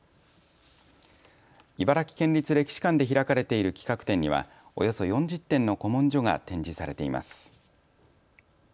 茨城県立歴史館で開かれている企画展には、およそ４０点の古文書が展示されています。